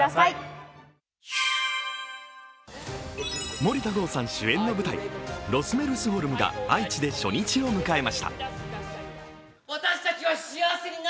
森田剛さん主演の舞台「ロスメルスホルム」が愛知で初日を迎えました。